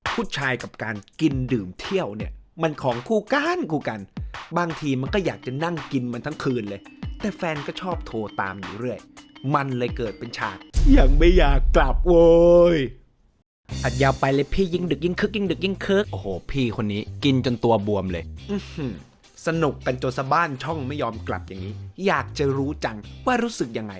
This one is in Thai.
ผู้ชายกับการกินดื่มเที่ยวเนี่ยมันของคู่กันคู่กันบางทีมันก็อยากจะนั่งกินมันทั้งคืนเลยแต่แฟนก็ชอบโทรตามอยู่เรื่อยมันเลยเกิดเป็นฉากยังไม่อยากกลับโว้ยอัดยาวไปเลยพี่ยิ่งดึกยิ่งคึกยิ่งดึกยิ่งคึกโอ้โหพี่คนนี้กินจนตัวบวมเลยสนุกกันจนสะบ้านช่องไม่ยอมกลับอย่างนี้อยากจะรู้จังว่ารู้สึกยังไง